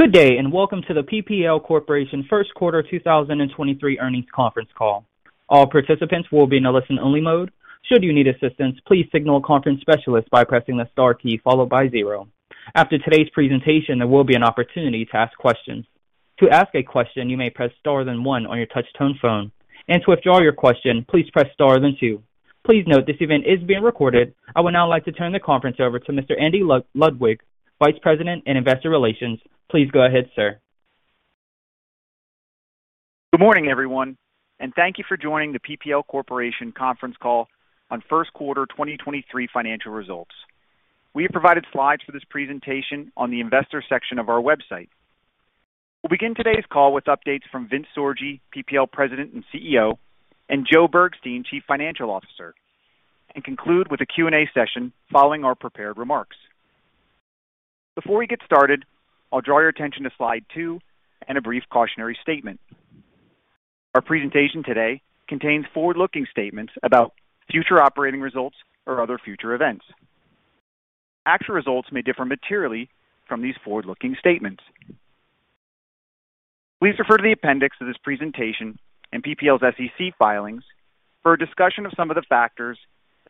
Good day. Welcome to the PPL Corporation Q1 2023 earnings conference call. All participants will be in a listen-only mode. Should you need assistance, please signal a conference specialist by pressing the star key followed by zero. After today's presentation, there will be an opportunity to ask questions. To ask a question, you may press star then one on your touch-tone phone. To withdraw your question, please press star then two. Please note this event is being recorded. I would now like to turn the conference over to Mr. Andy Ludwig, Vice President in Investor Relations. Please go ahead, sir. Good morning, everyone, and thank you for joining the PPL Corporation conference call on Q1 2023 financial results. We have provided slides for this presentation on the investor section of our website. We'll begin today's call with updates from Vince Sorgi, PPL President and CEO, and Joe Bergstein, Chief Financial Officer, and conclude with a Q&A session following our prepared remarks. Before we get started, I'll draw your attention to slide two and a brief cautionary statement. Our presentation today contains forward-looking statements about future operating results or other future events. Actual results may differ materially from these forward-looking statements. Please refer to the appendix of this presentation and PPL's SEC filings for a discussion of some of the factors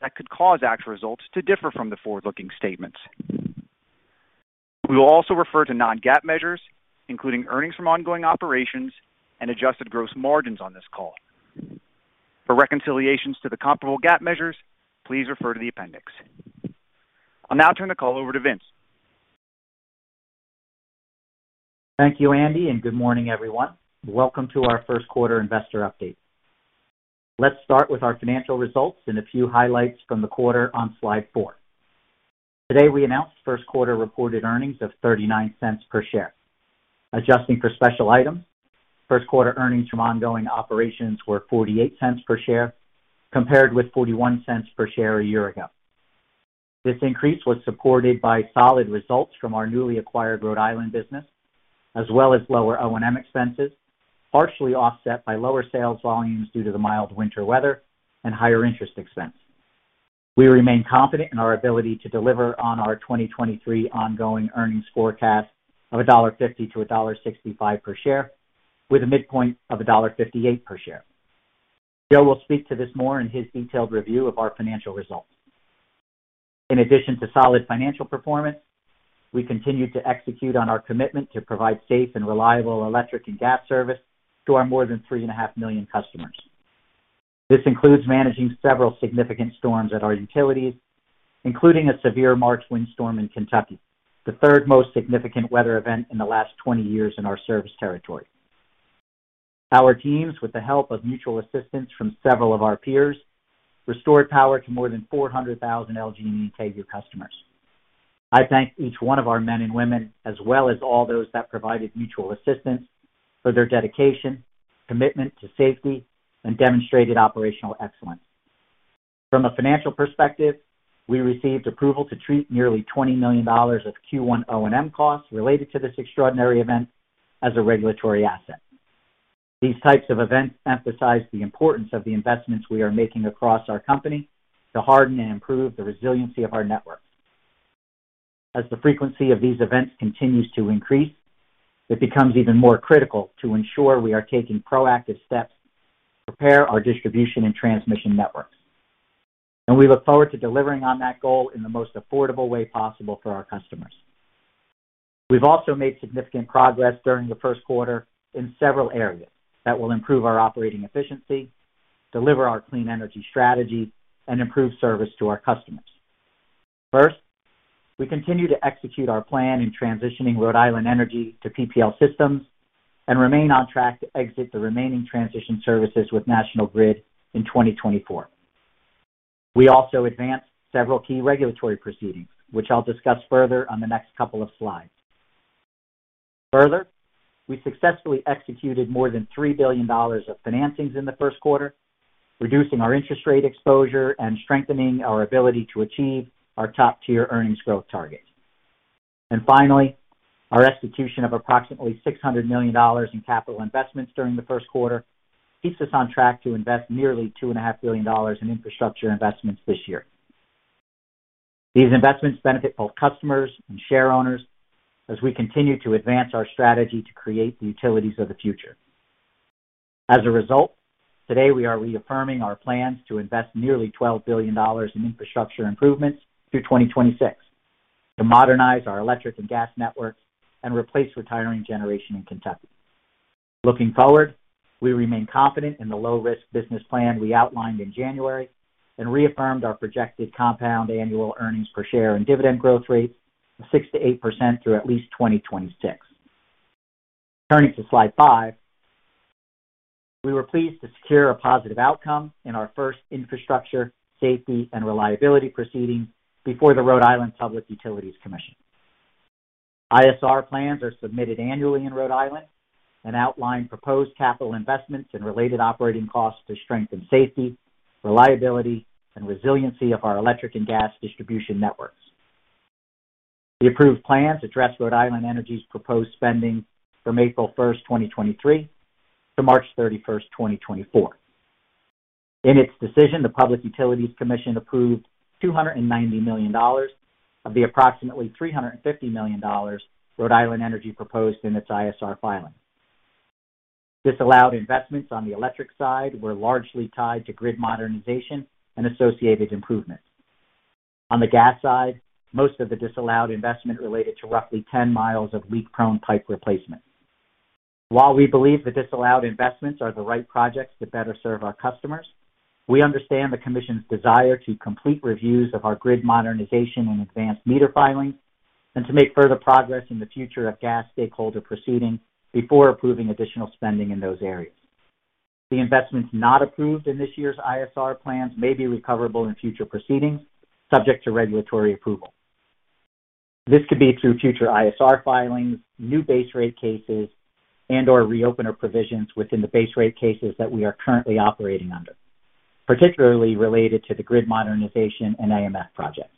that could cause actual results to differ from the forward-looking statements. We will also refer to non-GAAP measures, including earnings from ongoing operations and adjusted gross margins on this call. For reconciliations to the comparable GAAP measures, please refer to the appendix. I'll now turn the call over to Vince. Thank you, Andy, and good morning, everyone. Welcome to our Q1 investor update. Let's start with our financial results and a few highlights from the quarter on slide 4. Today, we announced Q1 reported earnings of $0.39 per share. Adjusting for special items, Q1 earnings from ongoing operations were $0.48 per share, compared with $0.41 per share a year ago. This increase was supported by solid results from our newly acquired Rhode Island business, as well as lower O&M expenses, partially offset by lower sales volumes due to the mild winter weather and higher interest expense. We remain confident in our ability to deliver on our 2023 ongoing earnings forecast of $1.50-$1.65 per share, with a midpoint of $1.58 per share. Joe will speak to this more in his detailed review of our financial results. In addition to solid financial performance, we continue to execute on our commitment to provide safe and reliable electric and gas service to our more than $3.5 million customers. This includes managing several significant storms at our utilities, including a severe March windstorm in Kentucky, the third most significant weather event in the last 20 years in our service territory. Our teams, with the help of mutual assistance from several of our peers, restored power to more than 400,000 LG&E and KU customers. I thank each one of our men and women, as well as all those that provided mutual assistance for their dedication, commitment to safety, and demonstrated operational excellence. From a financial perspective, we received approval to treat nearly $20 million of Q1 O&M costs related to this extraordinary event as a regulatory asset. These types of events emphasize the importance of the investments we are making across our company to harden and improve the resiliency of our network. As the frequency of these events continues to increase, it becomes even more critical to ensure we are taking proactive steps to prepare our distribution and transmission networks. We look forward to delivering on that goal in the most affordable way possible for our customers. We've also made significant progress during the Q1 in several areas that will improve our operating efficiency, deliver our clean energy strategy, and improve service to our customers. First, we continue to execute our plan in transitioning Rhode Island Energy to PPL Systems and remain on track to exit the remaining transition services with National Grid in 2024. We also advanced several key regulatory proceedings, which I'll discuss further on the next couple of slides. We successfully executed more than $3 billion of financings in the Q1, reducing our interest rate exposure and strengthening our ability to achieve our top-tier earnings growth targets. Our execution of approximately $600 million in capital investments during the Q1 keeps us on track to invest nearly $2.5 billion in infrastructure investments this year. These investments benefit both customers and shareowners as we continue to advance our strategy to create the utilities of the future. Today we are reaffirming our plans to invest nearly $12 billion in infrastructure improvements through 2026 to modernize our electric and gas networks and replace retiring generation in Kentucky. Looking forward, we remain confident in the low-risk business plan we outlined in January and reaffirmed our projected compound annual earnings per share and dividend growth rates of 6% to 8% through at least 2026. Turning to slide 5, we were pleased to secure a positive outcome in our first infrastructure, safety, and reliability proceeding before the Rhode Island Public Utilities Commission. ISR plans are submitted annually in Rhode Island and outline proposed capital investments and related operating costs to strengthen safety, reliability, and resiliency of our electric and gas distribution networks. The approved plans address Rhode Island Energy's proposed spending from April 1, 2023 to March 31, 2024. In its decision, the Public Utilities Commission approved $290 million of the approximately $350 million Rhode Island Energy proposed in its ISR filing. Disallowed investments on the electric side were largely tied to grid modernization and associated improvements. On the gas side, most of the disallowed investment related to roughly 10 miles of leak-prone pipe replacement. While we believe the disallowed investments are the right projects to better serve our customers, we understand the commission's desire to complete reviews of our grid modernization and advanced meter filings and to make further progress in the future of gas stakeholder proceedings before approving additional spending in those areas. The investments not approved in this year's ISR plans may be recoverable in future proceedings subject to regulatory approval. This could be through future ISR filings, new base rate cases, and/or reopener provisions within the base rate cases that we are currently operating under, particularly related to the grid modernization and AMF projects.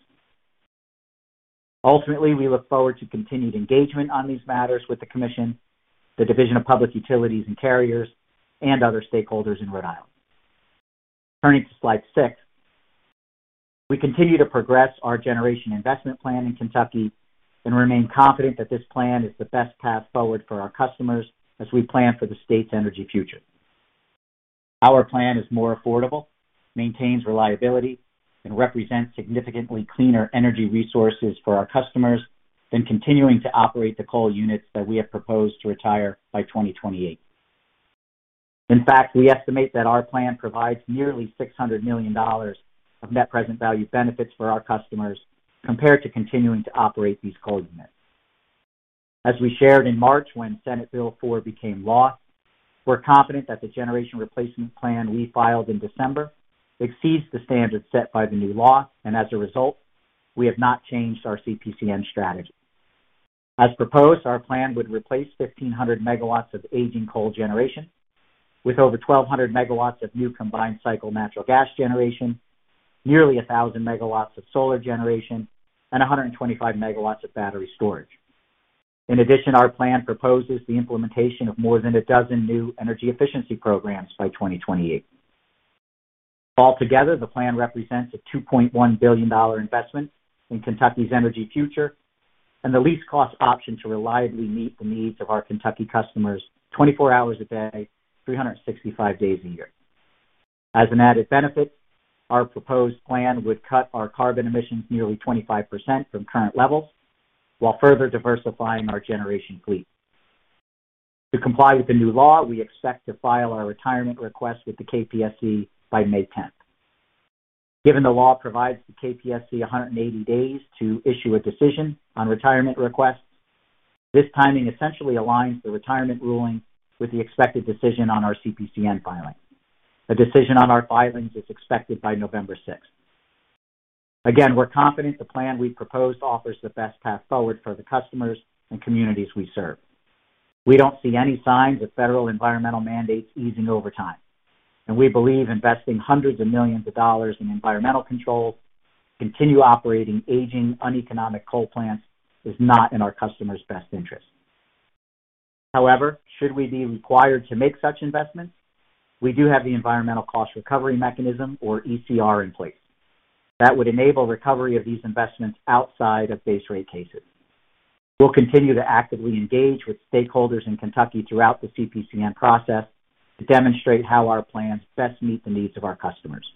Ultimately, we look forward to continued engagement on these matters with the Commission, the Division of Public Utilities and Carriers, and other stakeholders in Rhode Island. Turning to slide 6. We continue to progress our generation investment plan in Kentucky and remain confident that this plan is the best path forward for our customers as we plan for the state's energy future. Our plan is more affordable, maintains reliability, and represents significantly cleaner energy resources for our customers than continuing to operate the coal units that we have proposed to retire by 2028. In fact, we estimate that our plan provides nearly $600 million of net present value benefits for our customers compared to continuing to operate these coal units. As we shared in March when Senate Bill four became law, we're confident that the generation replacement plan we filed in December exceeds the standards set by the new law. As a result, we have not changed our CPCN strategy. As proposed, our plan would replace 1,500 megawatts of aging coal generation with over 1,200 megawatts of new combined cycle natural gas generation, nearly 1,000 megawatts of solar generation, and 125 megawatts of battery storage. In addition, our plan proposes the implementation of more than a dozen new energy efficiency programs by 2028. The plan represents a $2.1 billion investment in Kentucky's energy future and the least cost option to reliably meet the needs of our Kentucky customers 24 hours a day, 365 days a year. As an added benefit, our proposed plan would cut our carbon emissions nearly 25% from current levels while further diversifying our generation fleet. To comply with the new law, we expect to file our retirement request with the KPSC by May 10th. Given the law provides the KPSC 180 days to issue a decision on retirement requests, this timing essentially aligns the retirement ruling with the expected decision on our CPCN filing. A decision on our filings is expected by November 6th. Again, we're confident the plan we proposed offers the best path forward for the customers and communities we serve. We don't see any signs of federal environmental mandates easing over time. We believe investing hundreds of millions of dollars in environmental controls, continue operating aging uneconomic coal plants is not in our customers' best interest. However, should we be required to make such investments, we do have the environmental cost recovery mechanism, or ECR, in place that would enable recovery of these investments outside of base rate cases. We'll continue to actively engage with stakeholders in Kentucky throughout the CPCN process to demonstrate how our plans best meet the needs of our customers.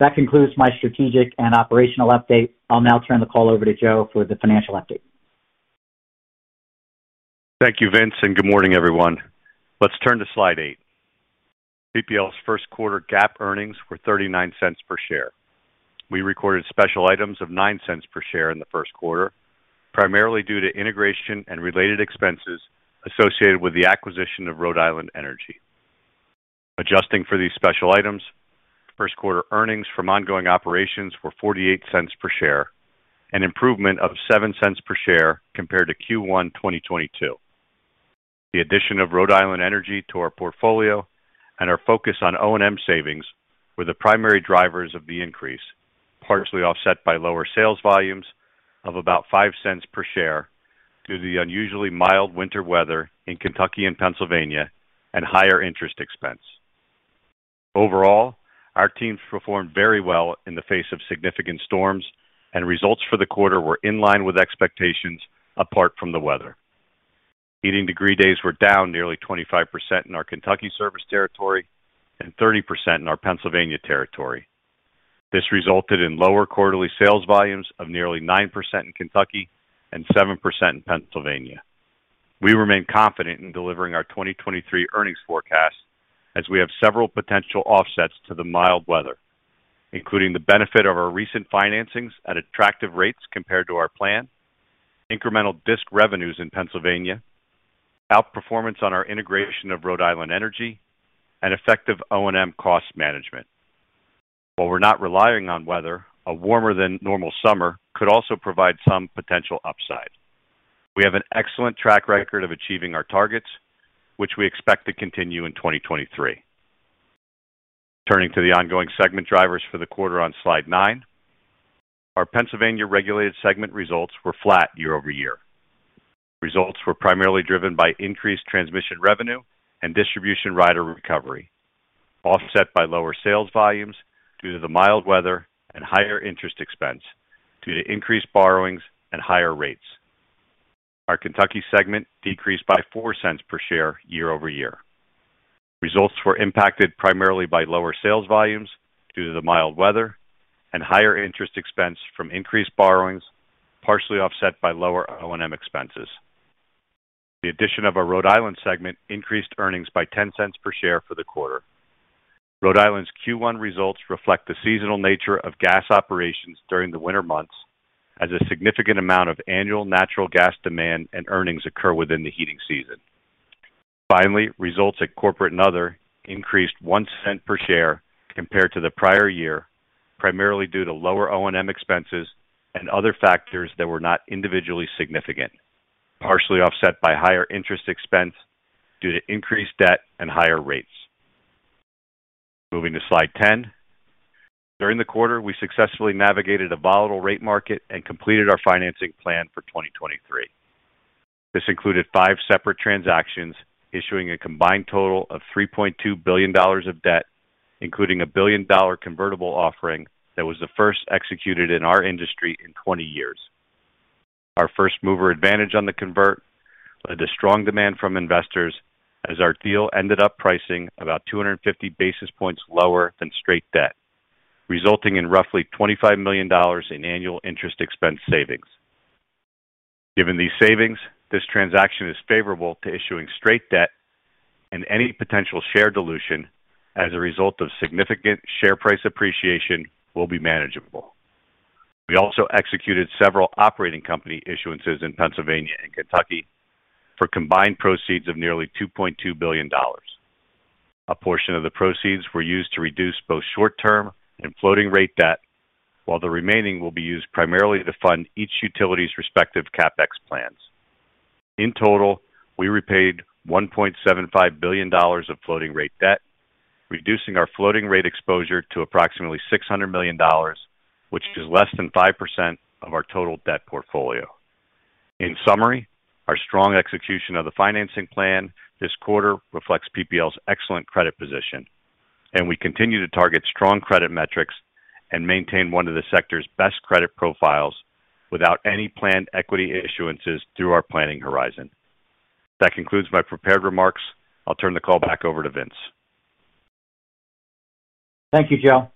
That concludes my strategic and operational update. I'll now turn the call over to Joseph for the financial update. Thank you, Vince, and good morning, everyone. Let's turn to slide 8. PPL's Q1 GAAP earnings were $0.39 per share. We recorded special items of $0.09 per share in the Q1, primarily due to integration and related expenses associated with the acquisition of Rhode Island Energy. Adjusting for these special items, Q1 earnings from ongoing operations were $0.48 per share, an improvement of $0.07 per share compared to Q1 2022. The addition of Rhode Island Energy to our portfolio and our focus on O&M savings were the primary drivers of the increase, partially offset by lower sales volumes of about $0.05 per share due to the unusually mild winter weather in Kentucky and Pennsylvania and higher interest expense. Overall, our teams performed very well in the face of significant storms, and results for the quarter were in line with expectations apart from the weather. Heating degree days were down nearly 25% in our Kentucky service territory and 30% in our Pennsylvania territory. This resulted in lower quarterly sales volumes of nearly 9% in Kentucky and 7% in Pennsylvania. We remain confident in delivering our 2023 earnings forecast as we have several potential offsets to the mild weather, including the benefit of our recent financings at attractive rates compared to our plan, incremental DSIC revenues in Pennsylvania, outperformance on our integration of Rhode Island Energy, and effective O&M cost management. While we're not relying on weather, a warmer than normal summer could also provide some potential upside. We have an excellent track record of achieving our targets, which we expect to continue in 2023. Turning to the ongoing segment drivers for the quarter on slide nine. Our Pennsylvania regulated segment results were flat year-over-year. Results were primarily driven by increased transmission revenue and distribution rider recovery, offset by lower sales volumes due to the mild weather and higher interest expense due to increased borrowings and higher rates. Our Kentucky segment decreased by $0.04 per share year-over-year. Results were impacted primarily by lower sales volumes due to the mild weather and higher interest expense from increased borrowings, partially offset by lower O&M expenses. The addition of our Rhode Island segment increased earnings by $0.10 per share for the quarter. Rhode Island's Q1 results reflect the seasonal nature of gas operations during the winter months, as a significant amount of annual natural gas demand and earnings occur within the heating season. Results at corporate and other increased $0.01 per share compared to the prior year, primarily due to lower O&M expenses and other factors that were not individually significant, partially offset by higher interest expense due to increased debt and higher rates. Moving to slide 10. During the quarter, we successfully navigated a volatile rate market and completed our financing plan for 2023. This included 5 separate transactions, issuing a combined total of $3.2 billion of debt, including a billion-dollar convertible offering that was the first executed in our industry in 20 years. Our first mover advantage on the convert led to strong demand from investors as our deal ended up pricing about 250 basis points lower than straight debt, resulting in roughly $25 million in annual interest expense savings. Given these savings, this transaction is favorable to issuing straight debt and any potential share dilution as a result of significant share price appreciation will be manageable. We also executed several operating company issuances in Pennsylvania and Kentucky for combined proceeds of nearly $2.2 billion. A portion of the proceeds were used to reduce both short-term and floating rate debt, while the remaining will be used primarily to fund each utility's respective CapEx plans. In total, we repaid $1.75 billion of floating rate debt, reducing our floating rate exposure to approximately $600 million, which is less than 5% of our total debt portfolio. In summary, our strong execution of the financing plan this quarter reflects PPL's excellent credit position. We continue to target strong credit metrics and maintain one of the sector's best credit profiles without any planned equity issuances through our planning horizon. That concludes my prepared remarks. I'll turn the call back over to Vince. Thank you, Joseph.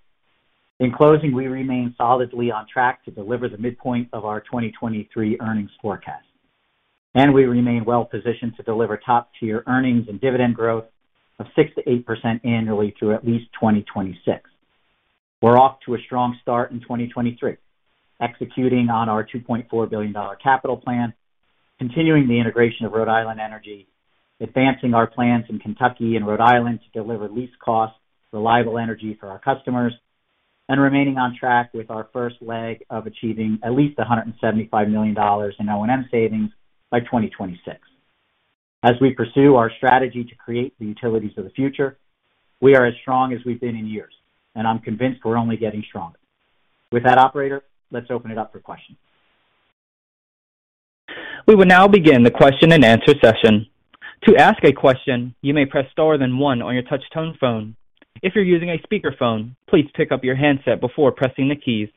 In closing, we remain solidly on track to deliver the midpoint of our 2023 earnings forecast, and we remain well positioned to deliver top-tier earnings and dividend growth of 6%-8% annually through at least 2026. We're off to a strong start in 2023, executing on our $2.4 billion capital plan, continuing the integration of Rhode Island Energy, advancing our plans in Kentucky and Rhode Island to deliver least cost reliable energy for our customers, and remaining on track with our first leg of achieving at least $175 million in O&M savings by 2026. As we pursue our strategy to create the utilities of the future, we are as strong as we've been in years, and I'm convinced we're only getting stronger. With that, operator, let's open it up for questions. We will now begin the question-and-answer session. To ask a question, you may press star then one on your touch tone phone. If you're using a speakerphone, please pick up your handset before pressing the keys.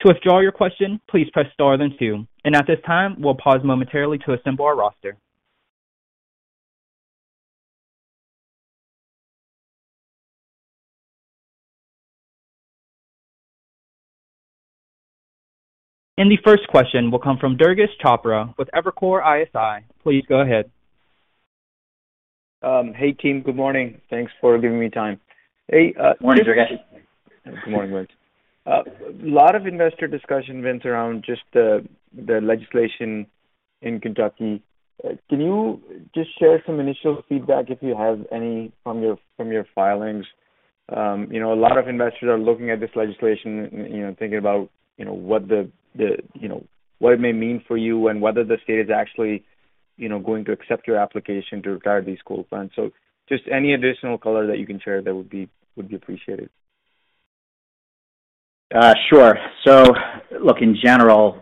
To withdraw your question, please press star then two. At this time, we'll pause momentarily to assemble our roster. The first question will come from Durgesh Chopra with Evercore ISI. Please go ahead. Hey, team. Good morning. Thanks for giving me time. Good morning, Durgesh. Good morning. A lot of investor discussion, Vince, around just the legislation in Kentucky. Can you just share some initial feedback, if you have any, from your filings? You know, a lot of investors are looking at this legislation, you know, thinking about, you know, what the, you know, what it may mean for you and whether the state is actually, you know, going to accept your application to retire these coal plants. Just any additional color that you can share that would be appreciated. Sure. Look, in general,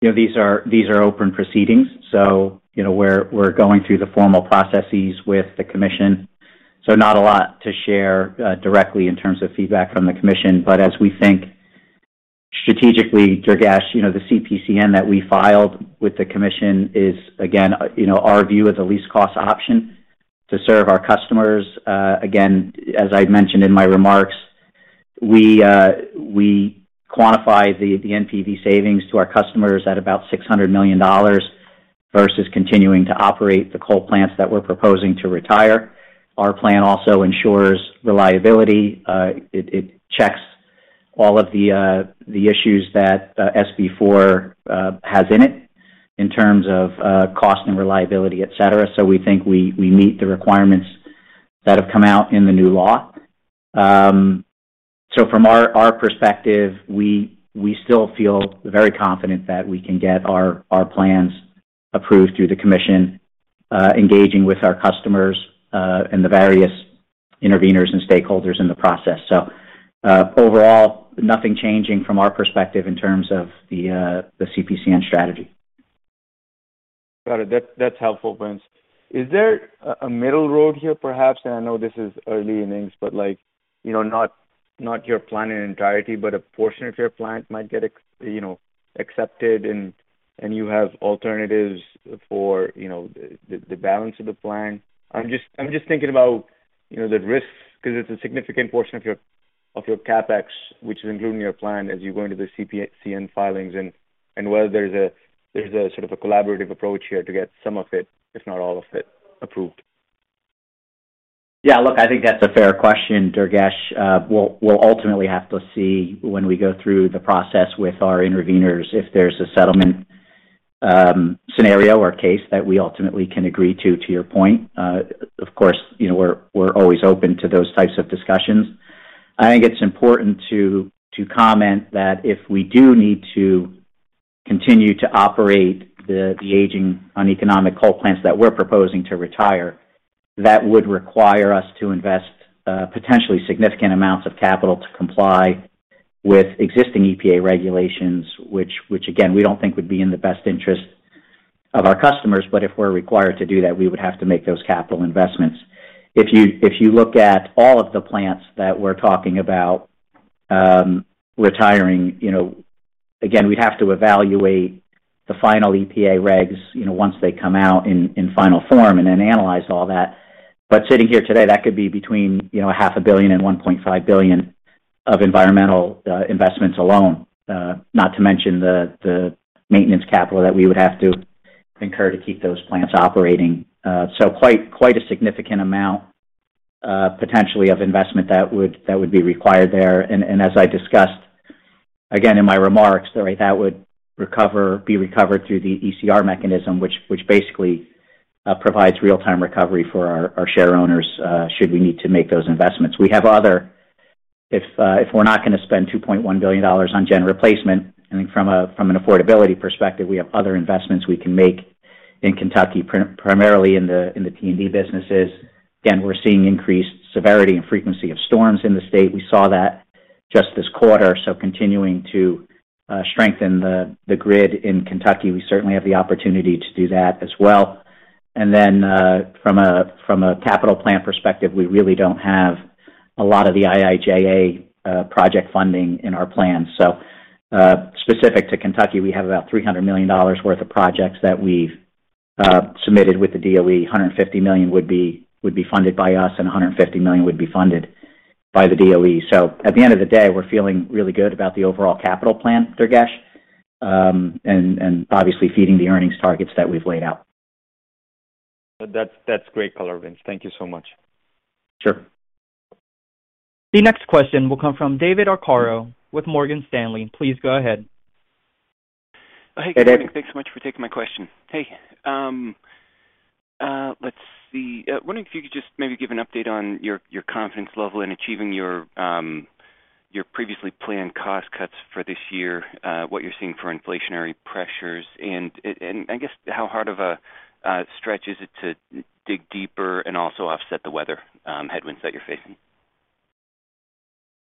you know, these are open proceedings. You know, we're going through the formal processes with the commission. Not a lot to share directly in terms of feedback from the commission. As we think strategically, Durgesh, you know, the CPCN that we filed with the commission is, again, you know, our view as a least cost option to serve our customers. Again, as I mentioned in my remarks, we quantify the NPV savings to our customers at about $600 million versus continuing to operate the coal plants that we're proposing to retire. Our plan also ensures reliability. It checks all of the issues that SB 4 has in it in terms of cost and reliability, et cetera. We think we meet the requirements that have come out in the new law. From our perspective, we still feel very confident that we can get our plans approved through the commission. Engaging with our customers, and the various intervenors and stakeholders in the process. Overall, nothing changing from our perspective in terms of the CPCN strategy. Got it. That's, that's helpful, Vince. Is there a middle road here perhaps, and I know this is early innings, but like, you know, not your plan in entirety, but a portion of your plan might get accepted and you have alternatives for, you know, the balance of the plan. I'm just, I'm just thinking about, you know, the risks 'cause it's a significant portion of your, of your CapEx, which is included in your plan as you go into the CPCN filings and whether there's a, there's a sort of a collaborative approach here to get some of it, if not all of it, approved. Yeah. Look, I think that's a fair question, Durgesh. We'll, we'll ultimately have to see when we go through the process with our intervenors, if there's a settlement scenario or case that we ultimately can agree to your point. Of course, you know, we're always open to those types of discussions. I think it's important to comment that if we do need to continue to operate the aging uneconomic coal plants that we're proposing to retire, that would require us to invest potentially significant amounts of capital to comply with existing EPA regulations, which again, we don't think would be in the best interest of our customers. If we're required to do that, we would have to make those capital investments. If you look at all of the plants that we're talking about, retiring, you know, again, we'd have to evaluate the final EPA regs, you know, once they come out in final form, and then analyze all that. Sitting here today, that could be between, you know, half a billion and $1.5 billion of environmental investments alone, not to mention the maintenance capital that we would have to incur to keep those plants operating. So quite a significant amount potentially of investment that would be required there. As I discussed again in my remarks, that would be recovered through the ECR mechanism, which basically provides real-time recovery for our share owners, should we need to make those investments. We have other... If we're not gonna spend $2.1 billion on gen replacement, I think from an affordability perspective, we have other investments we can make in Kentucky, primarily in the T&D businesses. We're seeing increased severity and frequency of storms in the state. We saw that just this quarter. Continuing to strengthen the grid in Kentucky, we certainly have the opportunity to do that as well. From a capital plan perspective, we really don't have a lot of the IIJA project funding in our plan. Specific to Kentucky, we have about $300 million worth of projects that we've submitted with the DOE. $150 million would be funded by us, and $150 million would be funded by the DOE. At the end of the day, we're feeling really good about the overall capital plan, Durgesh, and obviously feeding the earnings targets that we've laid out. That's great color, Vince. Thank you so much. Sure. The next question will come from David Arcaro with Morgan Stanley. Please go ahead. Hey, Dave. Thanks so much for taking my question. Hey, let's see. Wondering if you could just maybe give an update on your confidence level in achieving your previously planned cost cuts for this year, what you're seeing for inflationary pressures, and I guess how hard of a stretch is it to dig deeper and also offset the weather headwinds that you're facing?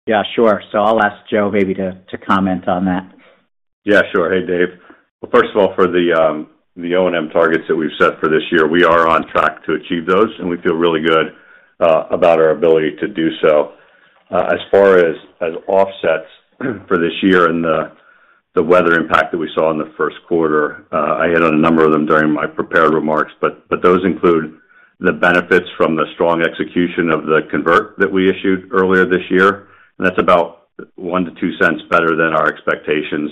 Yeah, sure. I'll ask Joe maybe to comment on that. Yeah, sure. Hey, Dave. Well, first of all, for the O&M targets that we've set for this year, we are on track to achieve those, and we feel really good about our ability to do so. As far as offsets for this year and the weather impact that we saw in the Q1, I hit on a number of them during my prepared remarks, but those include the benefits from the strong execution of the convert that we issued earlier this year, and that's about $0.01-$0.02 better than our expectations.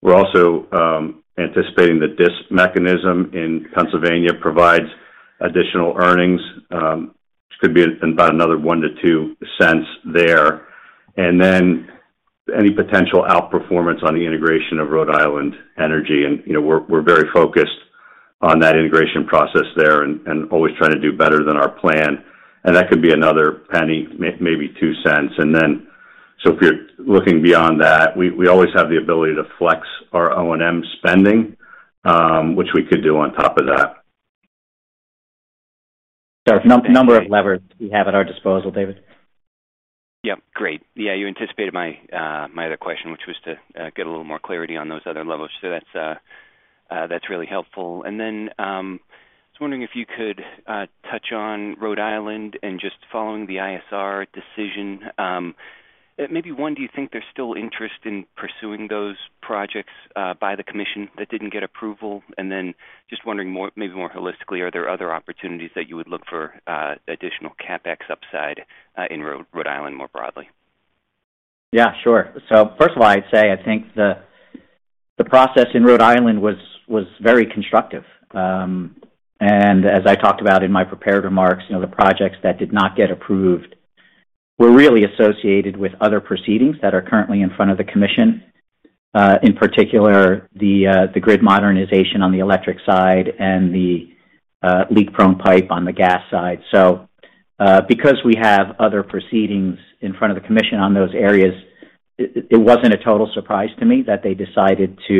We're also anticipating the DSIC mechanism in Pennsylvania provides additional earnings. Which could be about another $0.01-$0.02 there. Any potential outperformance on the integration of Rhode Island Energy and, you know, we're very focused on that integration process there and always trying to do better than our plan. That could be another $0.01, maybe $0.02. If you're looking beyond that, we always have the ability to flex our O&M spending, which we could do on top of that. A number of levers we have at our disposal, David. Great. You anticipated my other question, which was to get a little more clarity on those other levels. That's really helpful. I was wondering if you could touch on Rhode Island and just following the ISR decision. Maybe one, do you think there's still interest in pursuing those projects by the commission that didn't get approval? Just wondering more, maybe more holistically, are there other opportunities that you would look for additional CapEx upside in Rhode Island more broadly? Yeah, sure. First of all, I'd say I think the process in Rhode Island was very constructive. As I talked about in my prepared remarks, you know, the projects that did not get approved were really associated with other proceedings that are currently in front of the Commission, in particular, the Grid Modernization on the electric side and the lead chrome pipe on the gas side. Because we have other proceedings in front of the Commission on those areas, it wasn't a total surprise to me that they decided to,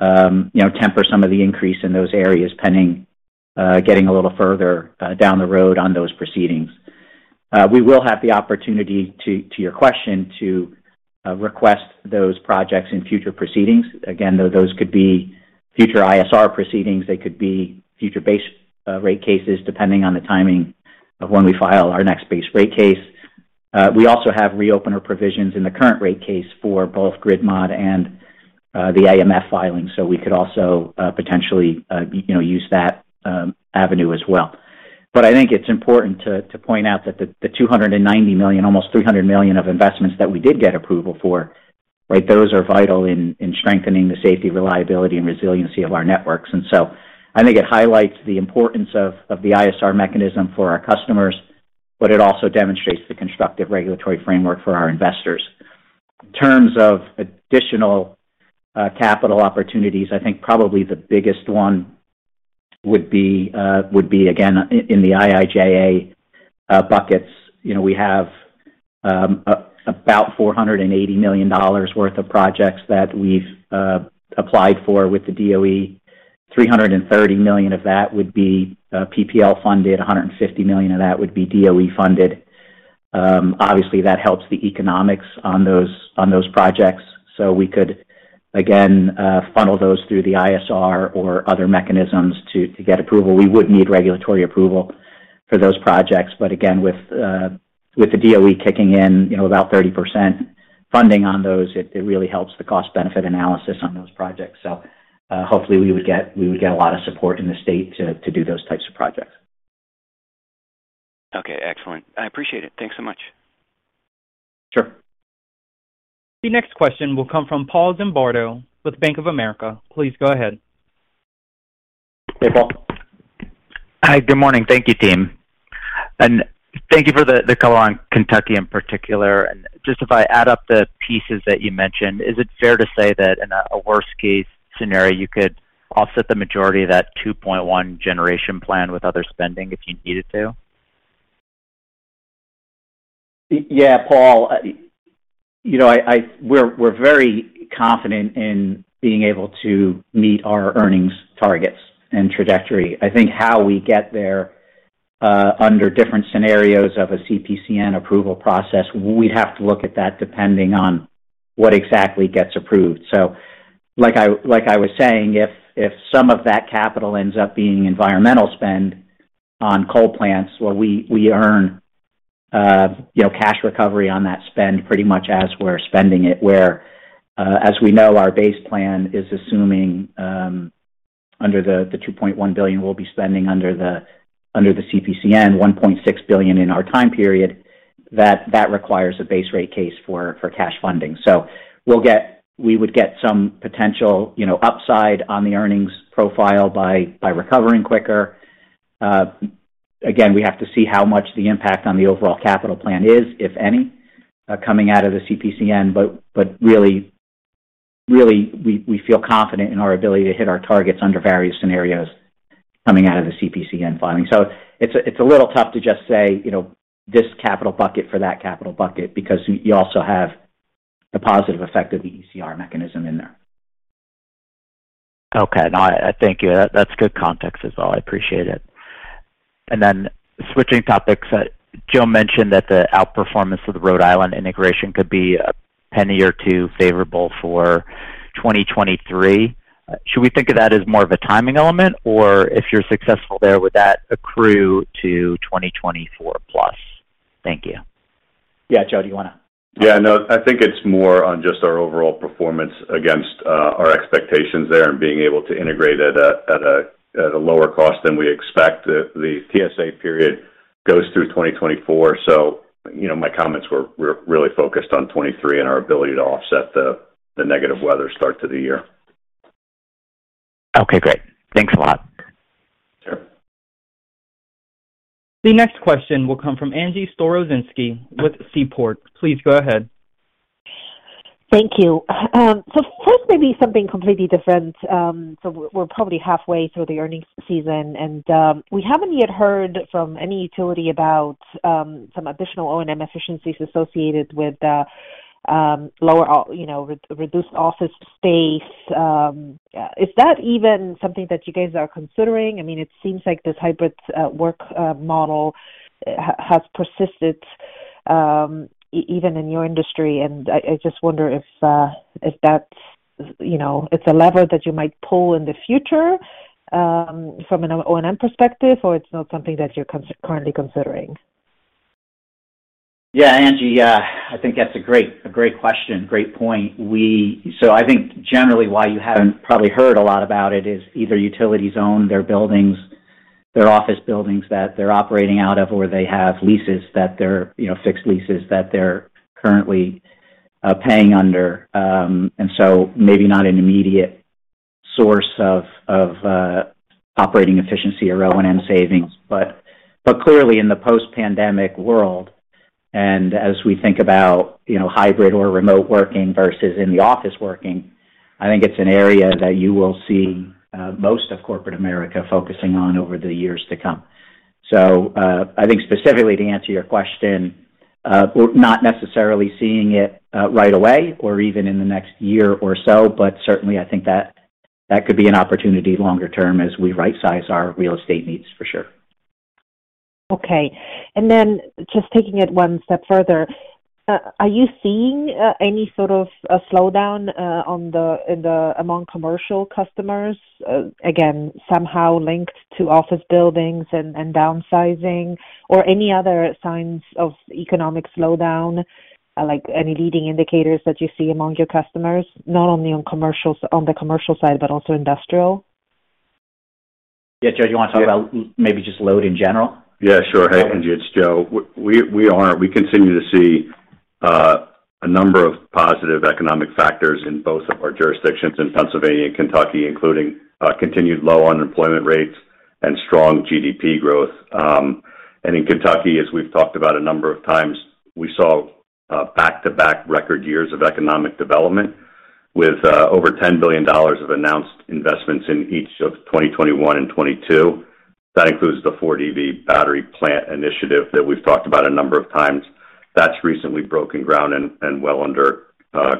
you know, temper some of the increase in those areas pending getting a little further down the road on those proceedings. We will have the opportunity, to your question, to request those projects in future proceedings. Again, though, those could be future ISR proceedings. They could be future base rate cases, depending on the timing of when we file our next base rate case. We also have reopener provisions in the current rate case for both Grid Mod and the AMF filing. We could also, potentially, you know, use that avenue as well. I think it's important to point out that the $290 million, almost $300 million of investments that we did get approval for, right? Those are vital in strengthening the safety, reliability, and resiliency of our networks. I think it highlights the importance of the ISR mechanism for our customers, but it also demonstrates the constructive regulatory framework for our investors. In terms of additional capital opportunities, I think probably the biggest one would be again in the IIJA buckets. You know, we have about $480 million worth of projects that we've applied for with the DOE. $330 million of that would be PPL funded. $150 million of that would be DOE funded. Obviously, that helps the economics on those projects. We could again funnel those through the ISR or other mechanisms to get approval. We would need regulatory approval for those projects. Again, with the DOE kicking in, you know, about 30% funding on those, it really helps the cost-benefit analysis on those projects. Hopefully we would get a lot of support in the state to do those types of projects. Okay, excellent. I appreciate it. Thanks so much. Sure. The next question will come from Paul Zimbardo with Bank of America. Please go ahead. Hey, Paul. Hi. Good morning. Thank you, team. Thank you for the color on Kentucky in particular. Just if I add up the pieces that you mentioned, is it fair to say that in a worst case scenario, you could offset the majority of that $2.1 generation plan with other spending if you needed to? Yeah, Paul. You know, we're very confident in being able to meet our earnings targets and trajectory. I think how we get there, under different scenarios of a CPCN approval process, we'd have to look at that depending on what exactly gets approved. Like I was saying, if some of that capital ends up being environmental spend on coal plants where we earn, you know, cash recovery on that spend pretty much as we're spending it, where, as we know, our base plan is assuming under the $2.1 billion we'll be spending under the CPCN $1.6 billion in our time period, that requires a base rate case for cash funding. We would get some potential, you know, upside on the earnings profile by recovering quicker. Again, we have to see how much the impact on the overall capital plan is, if any, coming out of the CPCN. really, we feel confident in our ability to hit our targets under various scenarios coming out of the CPCN filing. So it's a little tough to just say, you know, this capital bucket for that capital bucket because you also have the positive effect of the ECR mechanism in there. Okay. No, I thank you. That's good context as well. I appreciate it. Switching topics. Joe mentioned that the outperformance of the Rhode Island integration could be a penny or two favorable for 2023. Should we think of that as more of a timing element? Or if you're successful there, would that accrue to 2024 plus? Thank you. Yeah. Joe, do you wanna. Yeah, no, I think it's more on just our overall performance against our expectations there and being able to integrate at a lower cost than we expect. The TSA period goes through 2024. You know, my comments were really focused on 2023 and our ability to offset the negative weather start to the year. Okay, great. Thanks a lot. Sure. The next question will come from Angie Storozynski with Seaport. Please go ahead. Thank you. First, maybe something completely different. We're probably halfway through the earnings season, we haven't yet heard from any utility about some additional O&M efficiencies associated with lower, you know, reduced office space. Is that even something that you guys are considering? I mean, it seems like this hybrid work model has persisted even in your industry. I just wonder if that's, you know, a lever that you might pull in the future from an O&M perspective or it's not something that you're currently considering. Angie, I think that's a great question. Great point. I think generally why you haven't probably heard a lot about it is either utilities own their buildings, their office buildings that they're operating out of or they have leases that they're, you know, fixed leases that they're currently paying under. Maybe not an immediate source of, operating efficiency or O&M savings. But clearly in the post-pandemic world. As we think about, you know, hybrid or remote working versus in the office working, I think it's an area that you will see most of corporate America focusing on over the years to come. I think specifically to answer your question, we're not necessarily seeing it, right away or even in the next year or so, but certainly I think that could be an opportunity longer term as we right-size our real estate needs for sure. Okay. Just taking it one step further, are you seeing any sort of a slowdown among commercial customers, again, somehow linked to office buildings and downsizing or any other signs of economic slowdown, like any leading indicators that you see among your customers, not only on the commercial side, but also industrial? Joe, you want to talk about maybe just load in general? Yeah, sure. Hey, Angie Storozynski, it's Joe Bergstein. We are. We continue to see a number of positive economic factors in both of our jurisdictions in Pennsylvania and Kentucky, including continued low unemployment rates and strong GDP growth. In Kentucky, as we've talked about a number of times, we saw back-to-back record years of economic development with over $10 billion of announced investments in each of 2021 and 2022. That includes the Ford EV battery plant initiative that we've talked about a number of times. That's recently broken ground and well under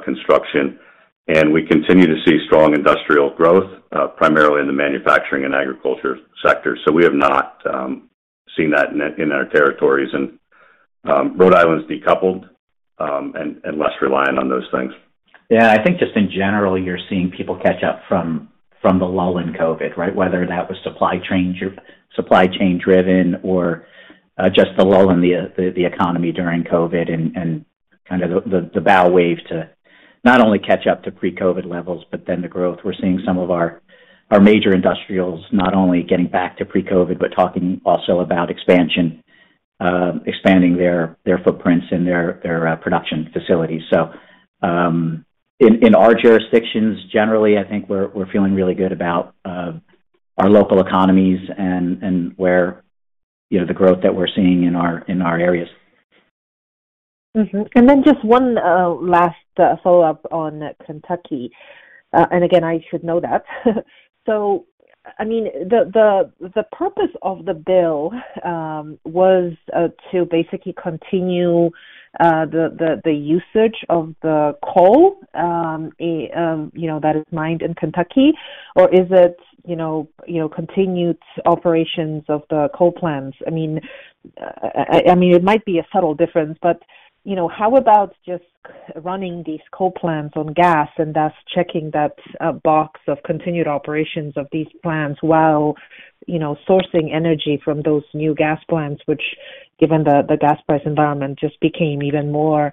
construction. We continue to see strong industrial growth primarily in the manufacturing and agriculture sector. We have not seen that in our territories. Rhode Island Energy's decoupled and less reliant on those things. Yeah, I think just in general, you're seeing people catch up from the lull in COVID, right? Whether that was supply chains or supply chain-driven or just the lull in the economy during COVID and kind of the bow wave to not only catch up to pre-COVID levels, but then the growth. We're seeing some of our major industrials not only getting back to pre-COVID, but talking also about expansion, expanding their footprints and their production facilities. In our jurisdictions, generally, I think we're feeling really good about our local economies and where, you know, the growth that we're seeing in our areas. Mm-hmm. Just one last follow-up on Kentucky. Again, I should know that. I mean, the purpose of the bill was to basically continue the usage of the coal, you know, that is mined in Kentucky, or is it, you know, continued operations of the coal plants? I mean, it might be a subtle difference, but, you know, how about just running these coal plants on gas and thus checking that box of continued operations of these plants while, you know, sourcing energy from those new gas plants, which given the gas price environment just became even more,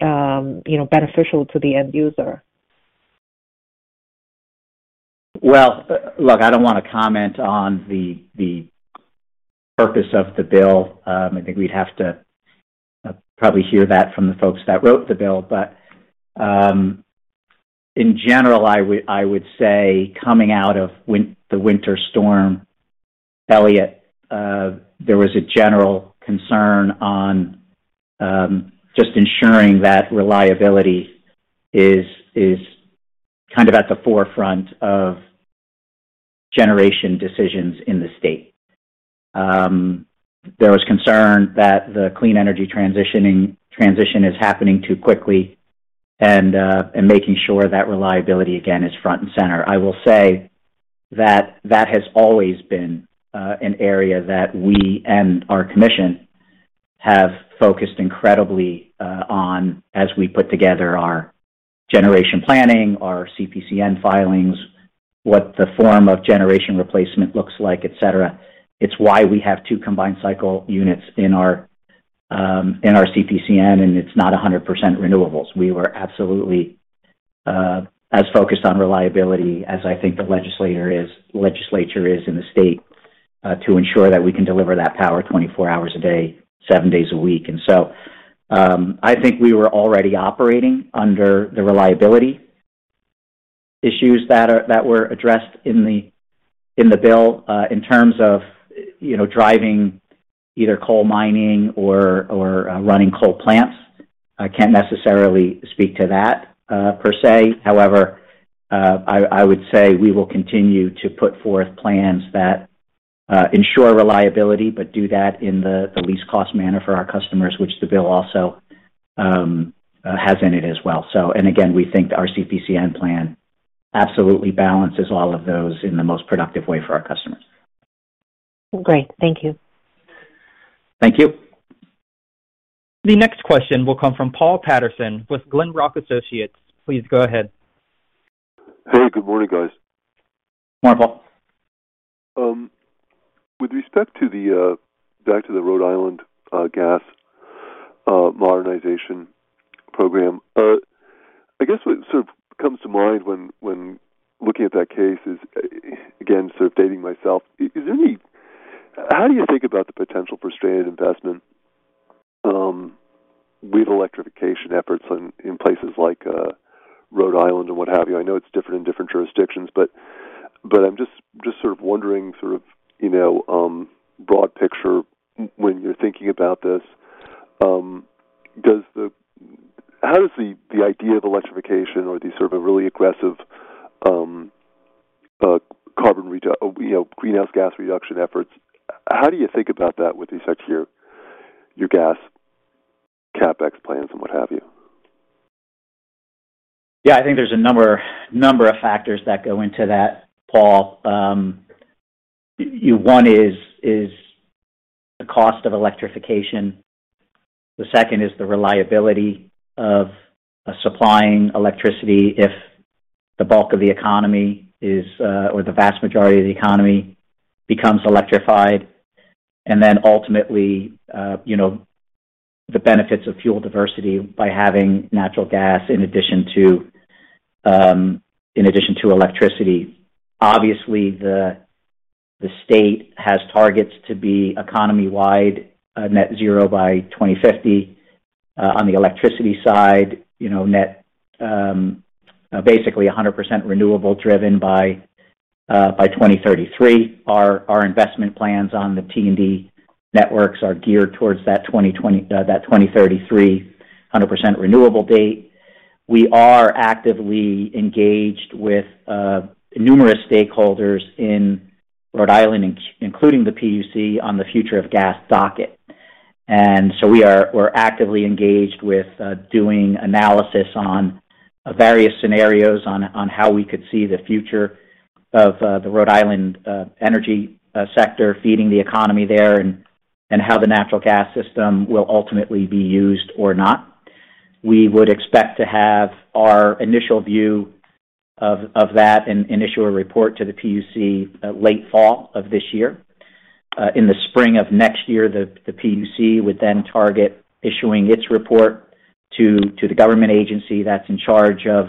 you know, beneficial to the end user. Well, look, I don't want to comment on the purpose of the bill. I think we'd have to probably hear that from the folks that wrote the bill. In general, I would say coming out of the Winter Storm Elliott, there was a general concern on just ensuring that reliability is kind of at the forefront of generation decisions in the state. There was concern that the clean energy transition is happening too quickly and making sure that reliability, again, is front and center. I will say that that has always been an area that we and our commission have focused incredibly on as we put together our generation planning, our CPCN filings, what the form of generation replacement looks like, et cetera. It's why we have 2 combined cycle units in our CPCN, and it's not 100% renewables. We were absolutely as focused on reliability as I think the legislature is in the state to ensure that we can deliver that power 24 hours a day, 7 days a week. I think we were already operating under the reliability issues that were addressed in the bill, in terms of, you know, driving either coal mining or running coal plants. I can't necessarily speak to that per se. I would say we will continue to put forth plans that ensure reliability but do that in the least cost manner for our customers, which the bill also has in it as well. Again, we think our CPCN plan absolutely balances all of those in the most productive way for our customers. Great. Thank you. Thank you. The next question will come from Paul Patterson with Glenrock Associates. Please go ahead. Hey, good morning, guys. Morning, Paul. With respect to the back to the Rhode Island gas modernization program, I guess what sort of comes to mind when looking at that case is, again, sort of dating myself, how do you think about the potential for stranded investment with electrification efforts in places like Rhode Island or what have you? I know it's different in different jurisdictions. I'm just sort of wondering, sort of broad picture when you're thinking about this, How does the idea of electrification or these sort of a really aggressive carbon greenhouse gas reduction efforts, how do you think about that with respect to your gas CapEx plans and what have you? Yeah, I think there's a number of factors that go into that, Paul. One is the cost of electrification. The second is the reliability of supplying electricity if the bulk of the economy is, or the vast majority of the economy becomes electrified. Ultimately, you know, the benefits of fuel diversity by having natural gas in addition to, in addition to electricity. The state has targets to be economy-wide, net zero by 2050. On the electricity side, you know, net, basically 100% renewable driven by 2033. Our investment plans on the T&D networks are geared towards that 2033 100% renewable date. We are actively engaged with, numerous stakeholders in Rhode Island, including the PUC, on the future of gas docket. We're actively engaged with doing analysis on various scenarios on how we could see the future of the Rhode Island energy sector feeding the economy there and how the natural gas system will ultimately be used or not. We would expect to have our initial view of that and issue a report to the PUC late fall of this year. In the spring of next year, the PUC would then target issuing its report to the government agency that's in charge of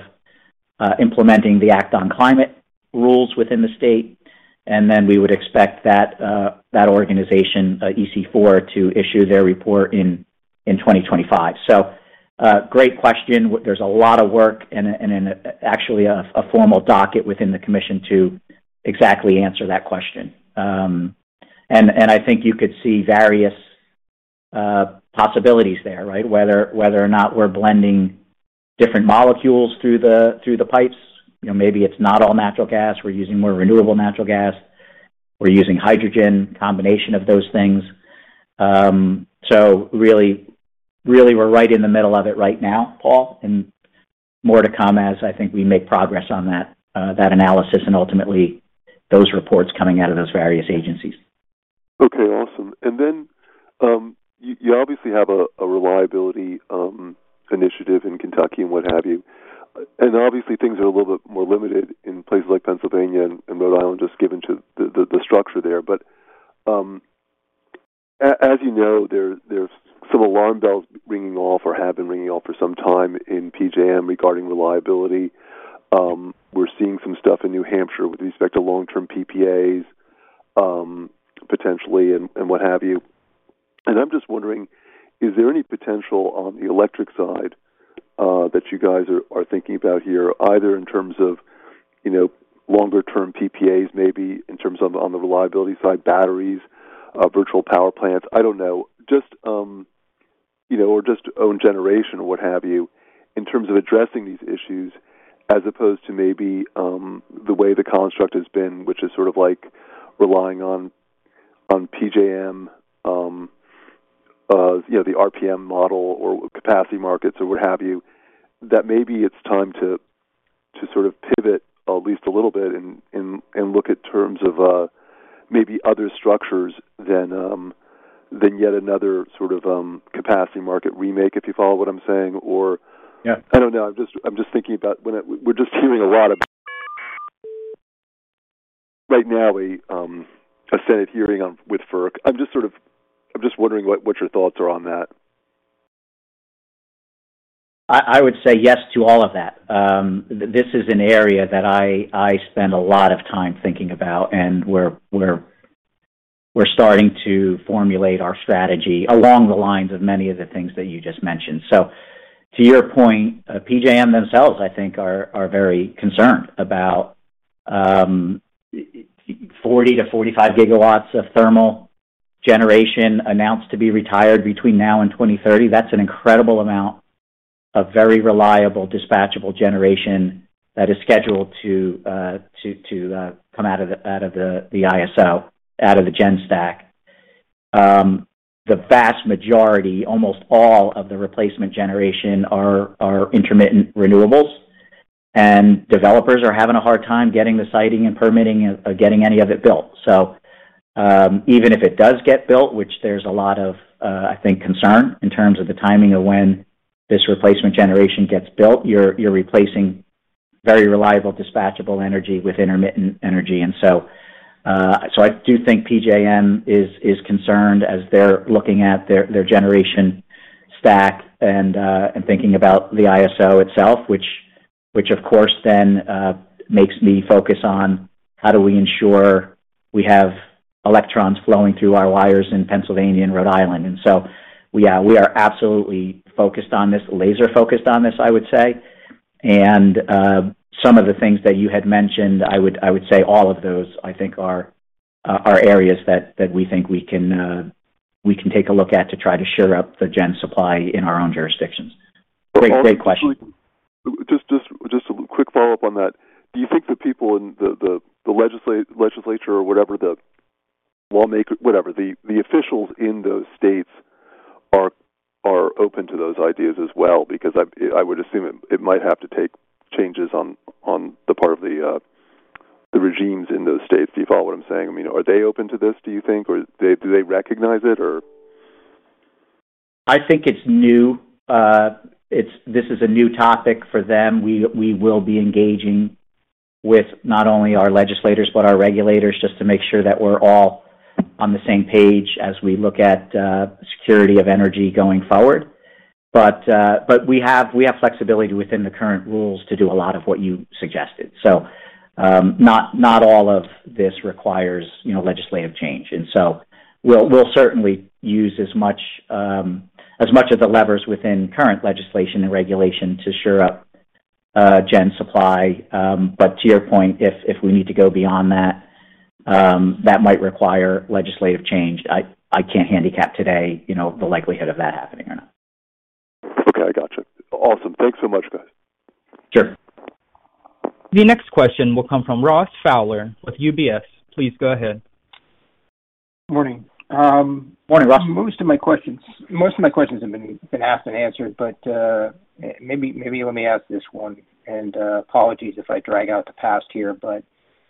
implementing the act on climate rules within the state. We would expect that organization, EC4, to issue their report in 2025. Great question. There's a lot of work and actually a formal docket within the commission to exactly answer that question. I think you could see various possibilities there, right? Whether or not we're blending different molecules through the, through the pipes. You know, maybe it's not all natural gas. We're using more renewable natural gas. We're using hydrogen, combination of those things. Really we're right in the middle of it right now, Paul, and more to come as I think we make progress on that analysis and ultimately those reports coming out of those various agencies. Okay, awesome. You obviously have a reliability initiative in Kentucky and what have you. Obviously things are a little bit more limited in places like Pennsylvania and Rhode Island, just given to the structure there. As you know, there's some alarm bells ringing off or have been ringing off for some time in PJM regarding reliability. We're seeing some stuff in New Hampshire with respect to long-term PPAs, potentially and what have you. I'm just wondering, is there any potential on the electric side that you guys are thinking about here, either in terms of longer term PPAs, maybe in terms of on the reliability side, batteries, virtual power plants? I don't know. You know, or just own generation or what have you, in terms of addressing these issues as opposed to maybe, the way the construct has been, which is sort of like relying on PJM, you know, the RPM model or capacity markets or what have you, that maybe it's time to sort of pivot at least a little bit and look at terms of, maybe other structures than yet another sort of, capacity market remake, if you follow what I'm saying. Yeah. I don't know. I'm just thinking about when we're just hearing a lot about right now, a Senate hearing with FERC. I'm just wondering what your thoughts are on that. I would say yes to all of that. This is an area that I spend a lot of time thinking about, and we're starting to formulate our strategy along the lines of many of the things that you just mentioned. To your point, PJM themselves, I think are very concerned about 40 to 45 gigawatts of thermal generation announced to be retired between now and 2030. That's an incredible amount of very reliable dispatchable generation that is scheduled to come out of the ISO, out of the gen stack. The vast majority, almost all of the replacement generation are intermittent renewables, and developers are having a hard time getting the siting and permitting or getting any of it built. Even if it does get built, which there's a lot of, I think, concern in terms of the timing of when this replacement generation gets built, you're replacing very reliable dispatchable energy with intermittent energy. I do think PJM is concerned as they're looking at their generation stack and thinking about the ISO itself, which of course then makes me focus on how do we ensure we have electrons flowing through our wires in Pennsylvania and Rhode Island. We are absolutely focused on this, laser-focused on this, I would say. Some of the things that you had mentioned, I would say all of those, I think, are areas that we think we can take a look at to try to shore up the gen supply in our own jurisdictions. Great question. Just a quick follow-up on that. Do you think the people in the legislature or whatever the lawmaker, whatever the officials in those states are open to those ideas as well? I would assume it might have to take changes on the part of the regimes in those states. Do you follow what I'm saying? I mean, are they open to this, do you think? Or do they recognize it, or? I think it's new. This is a new topic for them. We will be engaging with not only our legislators, but our regulators, just to make sure that we're all on the same page as we look at security of energy going forward. We have flexibility within the current rules to do a lot of what you suggested. Not all of this requires, you know, legislative change. We'll certainly use as much of the levers within current legislation and regulation to shore up, gen supply. To your point, if we need to go beyond that might require legislative change. I can't handicap today, you know, the likelihood of that happening or not. Okay, gotcha. Awesome. Thanks so much, guys. Sure. The next question will come from Ross Fowler with UBS. Please go ahead. Morning. Morning, Ross. Most of my questions have been asked and answered. Maybe let me ask this one, and apologies if I drag out the past here, but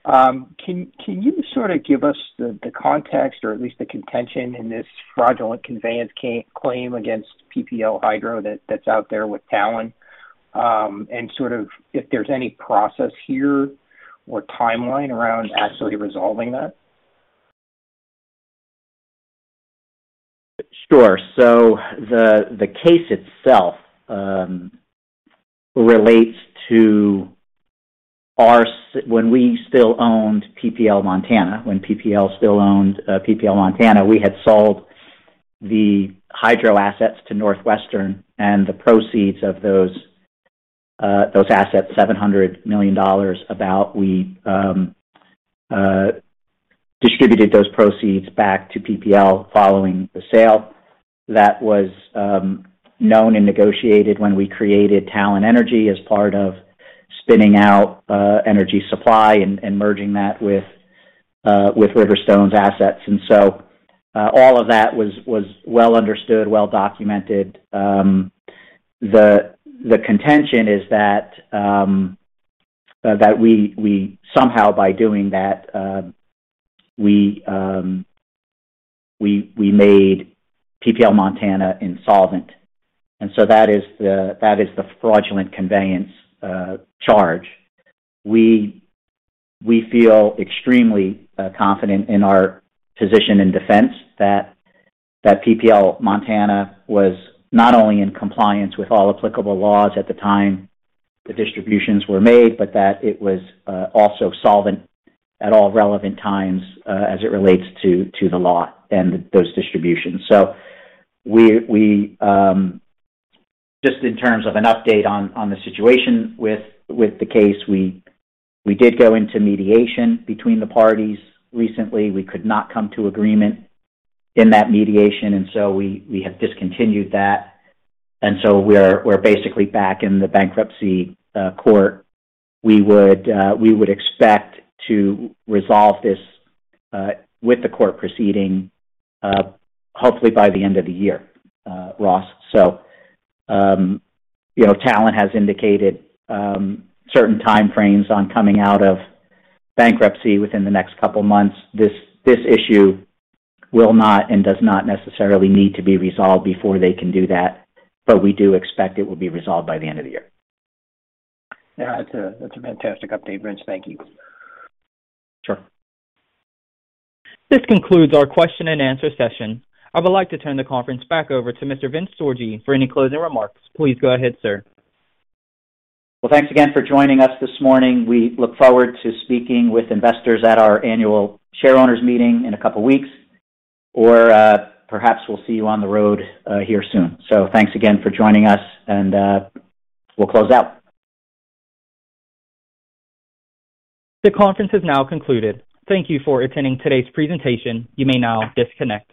can you sort of give us the context or at least the contention in this fraudulent conveyance claim against PPL Montana that's out there with Talen? Sort of if there's any process here or timeline around actually resolving that. Sure. The case itself relates to when we still owned PPL Montana. When PPL still owned PPL Montana, we had sold the hydro assets to NorthWestern and the proceeds of those assets, $700 million about we distributed those proceeds back to PPL following the sale. That was known and negotiated when we created Talen Energy as part of spinning out energy supply and merging that with Riverstone's assets. All of that was well understood, well documented. The contention is that we somehow by doing that, we made PPL Montana insolvent. That is the fraudulent conveyance charge. We feel extremely confident in our position in defense that PPL Montana was not only in compliance with all applicable laws at the time the distributions were made, but that it was also solvent at all relevant times as it relates to the law and those distributions. Just in terms of an update on the situation with the case, we did go into mediation between the parties recently. We could not come to agreement in that mediation. We have discontinued that. We're basically back in the bankruptcy court. We would expect to resolve this with the court proceeding hopefully by the end of the year, Ross. Talen Energy has indicated, certain time frames on coming out of bankruptcy within the next couple of months. This issue will not and does not necessarily need to be resolved before they can do that, but we do expect it will be resolved by the end of the year. Yeah, that's a fantastic update, Vince. Thank you. Sure. This concludes our question and answer session. I would like to turn the conference back over to Mr. Vincent Sorgi for any closing remarks. Please go ahead, sir. Thanks again for joining us this morning. We look forward to speaking with investors at our annual shareowners meeting in a couple weeks, or perhaps we'll see you on the road here soon. Thanks again for joining us, and we'll close out. The conference has now concluded. Thank you for attending today's presentation. You may now disconnect.